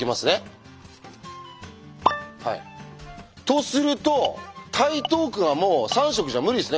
とすると台東区はもう３色じゃ無理ですね。